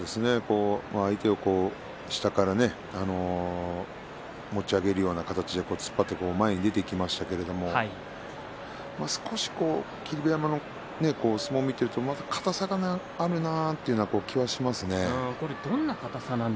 相手を下から持ち上げるような形で突っ張って前に出ていきましたけれども少し霧馬山の相撲を見ていると硬さがあるなという気がします。